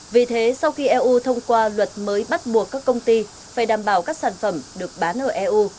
vì thế sau khi eu thông qua luật mới bắt buộc các công ty phải đảm bảo các sản phẩm được bán ở eu